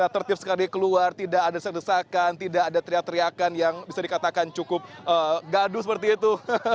tertib sekali keluar tidak ada sedesakan tidak ada teriakan teriakan yang bisa dikatakan cukup gaduh seperti itu